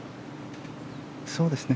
そうですね。